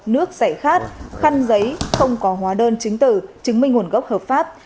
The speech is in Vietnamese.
nước xảy khát khăn giấy không có hóa đơn chứng từ chứng minh nguồn gốc hợp pháp